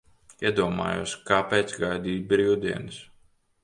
Iedomājos, kāpēc gaidīt brīvdienas?